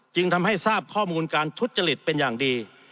จึงทำให้ทราบข้อมูลการทุจริตเป็นอย่างดี